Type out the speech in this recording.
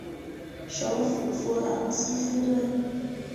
首府弗朗西斯敦。